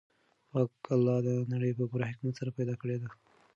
پاک الله دا نړۍ په پوره حکمت سره پیدا کړې ده.